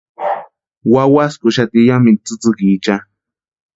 Wawaskuxati yamintu tsïtsïkicha.